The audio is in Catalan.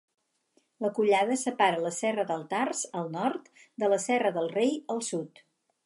La collada separa la Serra d'Altars, al nord, de la Serra del Rei, al sud.